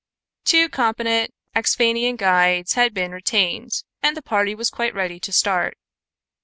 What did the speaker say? Two competent Axphainian guides had been retained, and the party was quite ready to start.